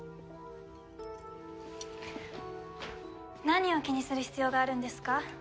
何を気にする必要があるんですか？